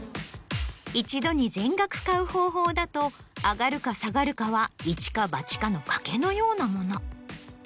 一度に全額買う方法だと上がるか下がるかはイチかバチかの賭けのようなもの。